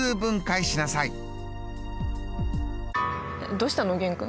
どうしたの玄君。